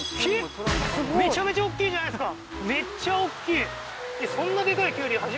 めちゃめちゃおっきいじゃないですか